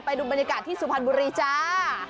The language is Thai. ดูบรรยากาศที่สุพรรณบุรีจ้า